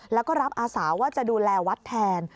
แล้วก็รับอาสาวว่าจะดูแลวัดแทน